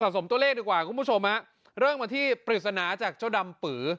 สมตัวเลขดีกว่าคุณผู้ชมฮะเริ่มมาที่ปริศนาจากเจ้าดำปือ